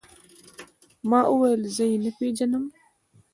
ما وويل زه يې نه پېژنم.